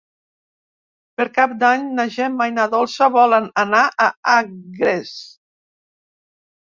Per Cap d'Any na Gemma i na Dolça volen anar a Agres.